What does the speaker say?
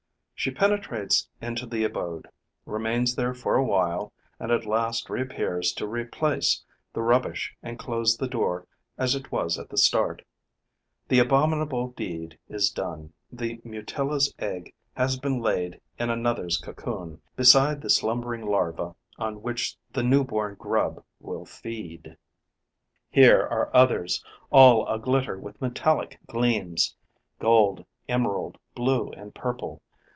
She penetrates into the abode, remains there for a while and at last reappears to replace the rubbish and close the door as it was at the start. The abominable deed is done: the Mutilla's egg has been laid in another's cocoon, beside the slumbering larva on which the newborn grub will feed. Here are others, all aglitter with metallic gleams: gold, emerald, blue and purple.